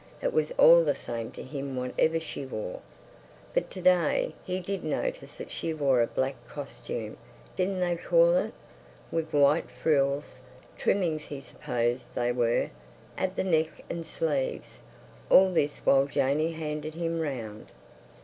It was all the same to him whatever she wore. But to day he did notice that she wore a black "costume"—didn't they call it?—with white frills, trimmings he supposed they were, at the neck and sleeves. All this while Janey handed him round.